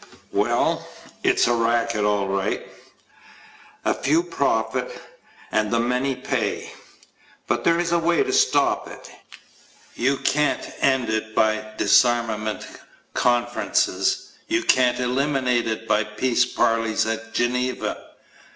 WELL, it's a racket, all right. A few profit and the many pay. But there is a way to stop it. You can't end it by disarmament conferences. You can't eliminate it by peace parleys at Geneva.